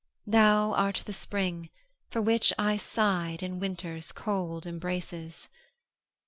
_"Thou art the Spring for which I sighed in Winter's cold embraces."